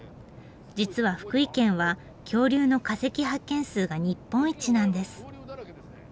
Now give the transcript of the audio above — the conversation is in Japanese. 実は福井県は恐竜の化石発見数が日本一なんです。